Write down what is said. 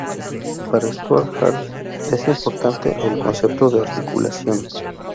Para Stuart Hall es importante el concepto de articulación.